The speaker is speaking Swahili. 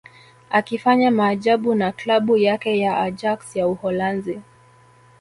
akifanya maajabu na klabu yake ya Ajax ya Uholanzi